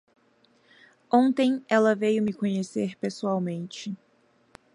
Ontem ela veio me conhecer pessoalmente.